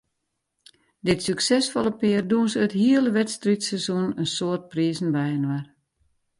Dit suksesfolle pear dûnse it hiele wedstriidseizoen in soad prizen byinoar.